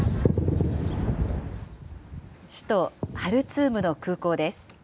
首都ハルツームの空港です。